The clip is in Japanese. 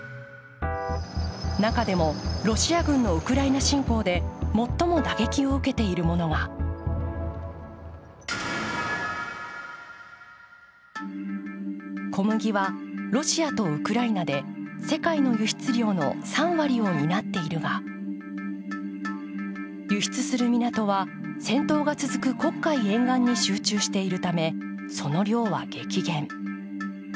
中でもロシア軍のウクライナ侵攻で最も打撃を受けているものが小麦はロシアとウクライナで世界の輸出量の３割を担っているが輸出する港は戦闘が続く黒海沿岸に集中しているためその量は激減。